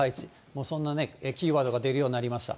もうそんなね、キーワードが出るようになりました。